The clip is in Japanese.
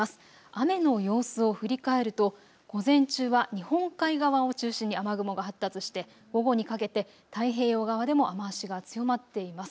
雨の様子を振り返ると、午前中は日本海側を中心に雨雲が発達して午後にかけて太平洋側でも雨足が強まっています。